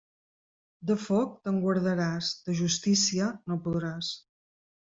De foc, te'n guardaràs; de justícia, no podràs.